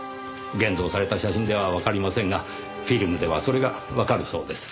現像された写真ではわかりませんがフィルムではそれがわかるそうです。